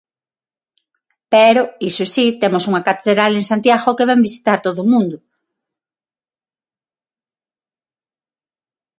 Pero, iso si, temos unha catedral en Santiago que vén visitar todo o mundo.